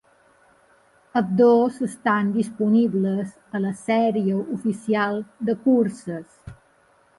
Ambdós estan disponibles a la sèrie oficial de curses.